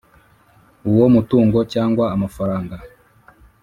uwo mutungo cyangwa amafaranga